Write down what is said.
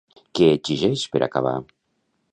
Què exigeix per acabar?